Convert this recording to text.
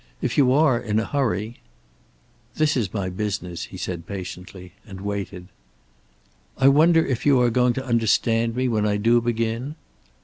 "If you are in a hurry " "This is my business," he said patiently. And waited. "I wonder if you are going to understand me, when I do begin?"